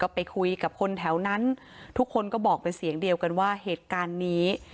ไปคุยกับคนแถวนั้นทุกคนก็บอกเป็นเสียงเดียวกันว่าเหตุการณ์นี้